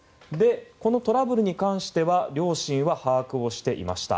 このトラブルに関しては両親は把握をしていました。